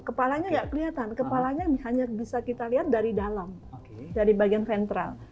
kepalanya nggak kelihatan kepalanya hanya bisa kita lihat dari dalam dari bagian sentral